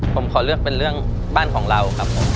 ผมขอเลือกเป็นเรื่องบ้านของเราครับผม